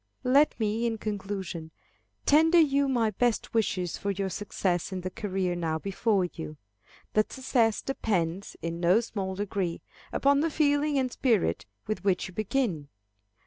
Let me, in conclusion, tender you my best wishes for your success in the career now before you. That success depends, in no small degree, upon the feeling and spirit with which you begin.